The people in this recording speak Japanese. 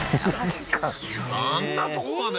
あんなとこまで？